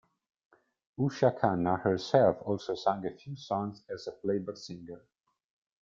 Usha Khanna herself also sang a few songs as a playback singer.